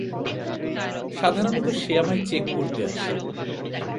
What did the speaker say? সাধারণত সে আমায় চেক করতে আসে।